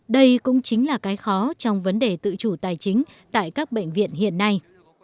đây cũng chính là cái khó trong vấn đề tự chủ tài chính tại các bệnh viện hiện nay